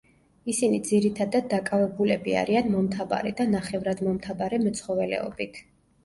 ისინი ძირითადად დაკავებულები არიან მომთაბარე და ნახევრადმომთაბარე მეცხოველეობით.